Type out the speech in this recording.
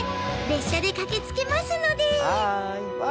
列車で駆けつけますので！